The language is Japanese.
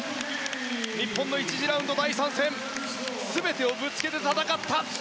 日本の１次ラウンド第３戦全てをぶつけて戦った。